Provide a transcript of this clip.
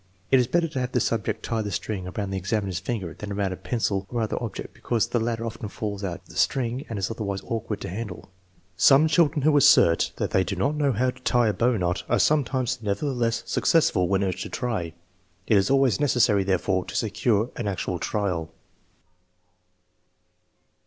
It is better to have the subject tie the string around the examiner's finger than around a pencil or other object because the latter often falls out of the string and is otherwise awkward to handle. Some children who assert that they do not know how to tie a bow knot are sometimes nevertheless successful when urged to try. It is always necessary, therefore, to secure an actual trial.